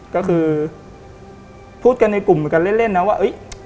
ก็คือพูดกันในกลุ่มเหมือนกันเล่นนะว่า